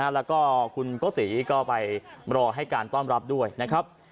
แล้วก็คุณโกติก็ไปรอให้การต้อนรับด้วยนะครับ